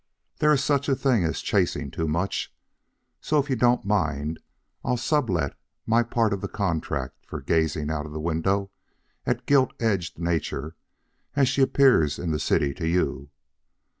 There is such a thing as chasing too much, so if you don't mind I'll sublet my part of the contract for gazing out of the window at gilt edged Nature as she appears in the city to you.